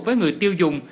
với người tiêu dùng